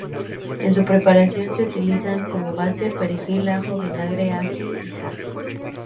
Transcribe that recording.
En su preparación se utilizan como base: perejil, ajo, vinagre, ají y sal.